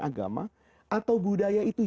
agama atau budaya itu